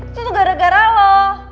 itu tuh gara gara lo